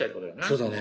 そうだね。